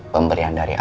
pemberian dari aku